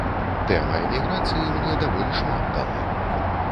Тэма эміграцыі мне даволі шмат дала.